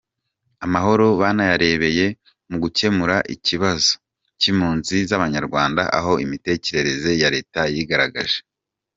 Amahoro banayarebeye “mu gukemura ikibazo cy’impunzi z’Abanyarwanda” aho imitekerereze ya Leta yigaragaje.